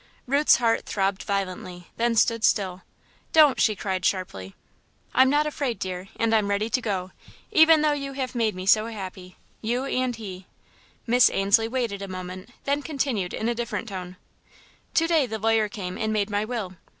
Ruth's heart throbbed violently, then stood still. "Don't!" she cried, sharply. "I'm not afraid, dear, and I'm ready to go, even though you have made me so happy you and he." Miss Ainslie waited a moment, then continued, in a different tone: "To day the lawyer came and made my will.